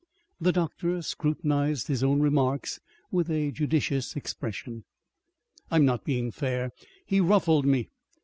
The doctor scrutinized his own remarks with a judicious expression. "I am not being fair. He ruffled me.